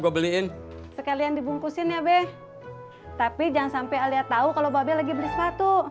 gue beliin sekalian dibungkusin ya be tapi jangan sampai alia tahu kalau babi lagi beli sepatu